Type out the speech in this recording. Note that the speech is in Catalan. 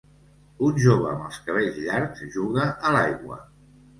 Un jove amb els cabells llargs juga a l'aigua